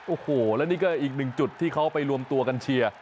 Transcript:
โอ้โหแล้วนี่ก็อีกหนึ่งจุดที่เขาไปรวมตัวกันเชียร์